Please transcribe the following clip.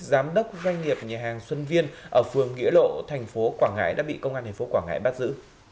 giám đốc doanh nghiệp nhà hàng xuân viên ở phường nghĩa lộ thành phố quảng ngãi đã bị công an thành phố quảng ngãi bắt giữ